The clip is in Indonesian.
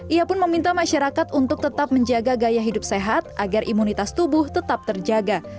ia pun meminta masyarakat untuk tetap menjaga gaya hidup sehat agar imunitas tubuh tetap terjaga